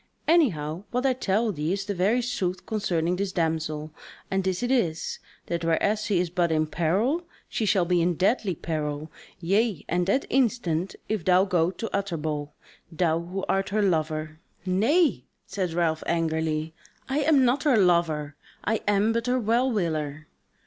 Anyhow what I tell thee is the very sooth concerning this damsel, and this it is: that whereas she is but in peril, she shall be in deadly peril, yea and that instant, if thou go to Utterbol, thou, who art her lover..." "Nay," said Ralph angrily, "I am not her lover, I am but her well willer."